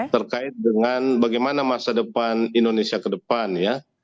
terkait dengan bagaimana masa depan indonesia ke depan ya